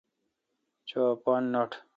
چو اپان نٹ۔